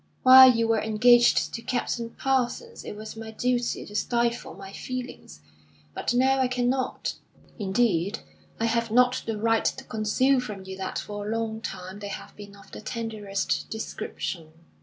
While you were engaged to Captain Parsons it was my duty to stifle my feelings; but now I cannot. Indeed, I have not the right to conceal from you that for a long time they have been of the tenderest description."